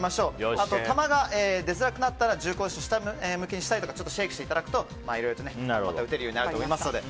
あと球が出づらくなったら銃口を下向きにしたりシェイクしていただくとまた撃てるようになると思います。